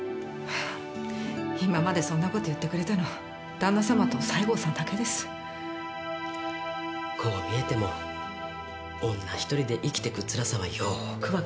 今までそんなこと言ってくれたの旦那さまと西郷さんだけですこう見えても女１人で生きてくつらさはよーく分かってるわ